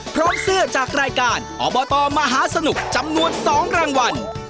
พร้อมเสื้อจากรายการอบตมหาสนุกจำนวน๒รางวัล